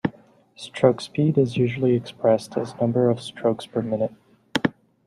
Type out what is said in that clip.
Stroke speed is usually expressed as a number of strokes per minute.